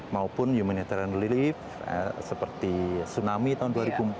maupun humanitarian relief seperti tsunami tahun dua ribu empat